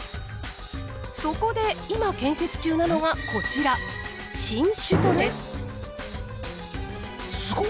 そこで今建設中なのがこちらえっ？